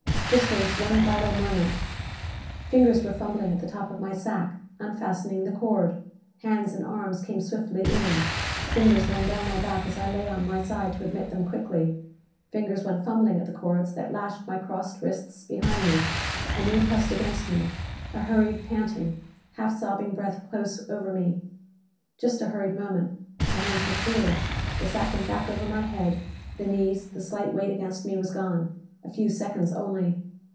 Just for this one vital moment. Fingers were fumbling at the top of my sack, unfastening the cord. Hands and arms came swiftly in. Fingers ran down my back as I lay on my side to admit them quickly. Fingers went fumbling at the cords that lashed my crossed wrists behind me. A knee pressed against me. A hurried, panting, half sobbing breath close over me Just a hurried moment. The hands withdrew. The sack went back over my head. The knees, the slight weight against me, was gone. A few seconds only.